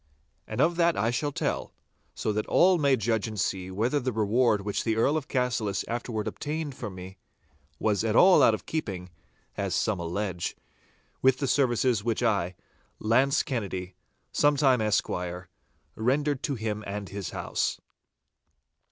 And of that I shall tell, so that all may judge and see whether the reward which the Earl of Cassillis afterwards obtained for me, was at all out of keeping (as some allege) with the services which I, Launce Kennedy, sometime esquire, rendered to him and his house.